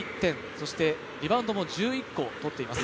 そしてリバウンドも１１個とっています。